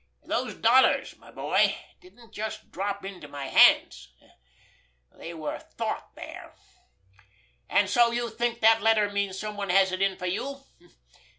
Those dollars, my boy, didn't just drop into my hands—they were thought there. And so you think that letter means someone has it in for you?